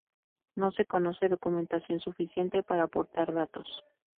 No se conoce documentación suficiente para aportar datos.